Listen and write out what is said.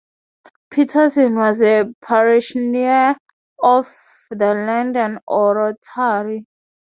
Paterson was a parishioner of the London Oratory.